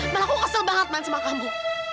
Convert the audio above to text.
malah aku kesel banget man sama kamu